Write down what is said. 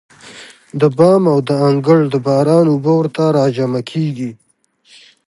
د بام او د انګړ د باران اوبه ورته راجمع کېږي.